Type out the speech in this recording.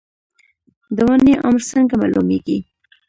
د ونې عمر څنګه معلومیږي؟